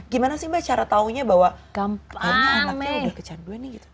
gimana sih mbak cara taunya bahwa ini anaknya udah kecanduan nih gitu